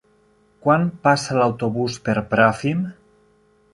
Quan passa l'autobús per Bràfim?